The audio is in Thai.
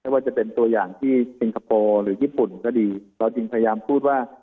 ว่าจะเป็นตัวอย่างที่สิงคโปร์หรือญี่ปุ่นก็ดีเราจึงพยายามพูดว่า